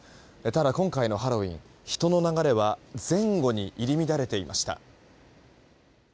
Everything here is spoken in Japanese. ただ、今回のハロウィーン人の流れは前後に入り乱れていました。